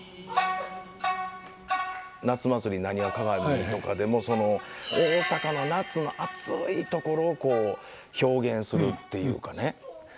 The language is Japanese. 「夏祭浪花鑑」とかでもその大阪の夏の暑いところをこう表現するっていうかね。